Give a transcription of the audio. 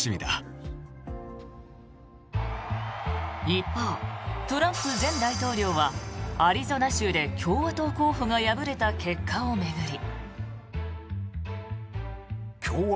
一方、トランプ前大統領はアリゾナ州で共和党候補が敗れた結果を巡り。